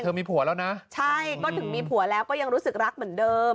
มีผัวแล้วนะใช่ก็ถึงมีผัวแล้วก็ยังรู้สึกรักเหมือนเดิม